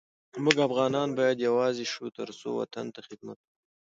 مونږ افغانان باید یوزاي شو ترڅو وطن ته خدمت وکړو